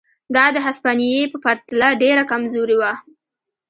دا د هسپانیې په پرتله ډېره کمزورې وه.